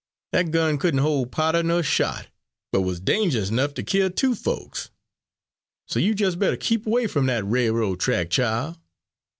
Dat gun couldn't hol' powder ner shot, but was dange'ous 'nuff ter kill two folks. So you jes' better keep 'way f'm dat railroad track, chile."